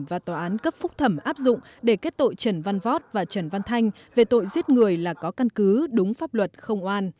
và tòa án cấp phúc thẩm áp dụng để kết tội trần văn vót và trần văn thanh về tội giết người là có căn cứ đúng pháp luật không oan